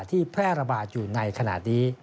แพร่ระบาดอยู่ในขณะนี้